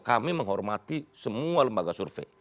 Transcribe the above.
kami menghormati semua lembaga survei